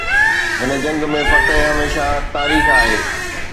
هن جنگ ۾ فتح هميشه تاريخ آهي.